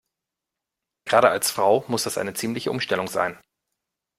Gerade als Frau muss das eine ziemliche Umstellung sein.